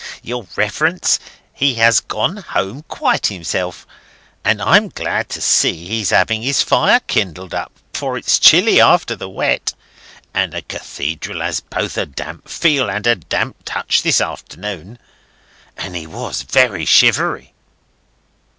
"Your Reverence, he has gone home quite himself. And I'm glad to see he's having his fire kindled up, for it's chilly after the wet, and the Cathedral had both a damp feel and a damp touch this afternoon, and he was very shivery."